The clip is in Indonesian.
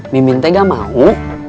miminte gak mau